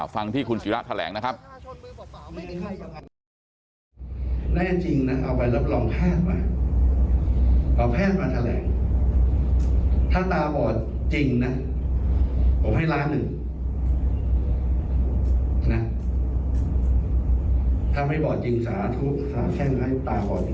ฟังที่คุณศิระแถลงนะครับ